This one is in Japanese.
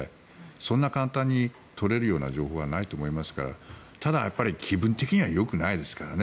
そんな簡単に取れるような情報はないと思いますからただ、やっぱり気分的にはよくないですからね。